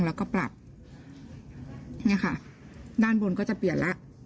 แล้วก็ปรับเนี่ยค่ะด้านบนก็จะเปลี่ยนแล้ว